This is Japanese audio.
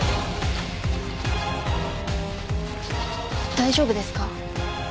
大丈夫ですか？